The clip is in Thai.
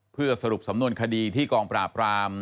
เพื่อสรุปสำนวนคดีที่กองปราบราม